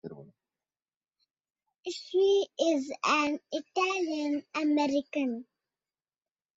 She is an Italian American.